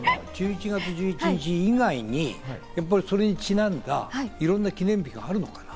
１１月１１日以外にも、それにちなんだ記念日があるのかな？